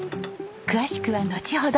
詳しくはのちほど。